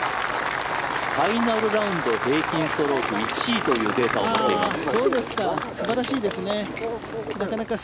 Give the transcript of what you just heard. ファイナルラウンド平均ストローク１位というデータを持っています。